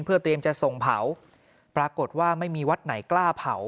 เพื่อเตรียมจะส่งเผาปรากฏว่าไม่มีวัดไหนกล้าเผา